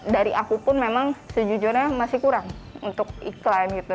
dari aku pun memang sejujurnya masih kurang untuk iklan gitu